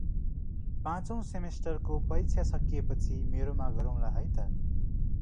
पाँचौं सेमेस्टर को परीक्षा सकिए पछि मेरो मा गरौला है त।